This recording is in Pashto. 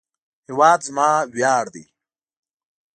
هیواد زما ویاړ دی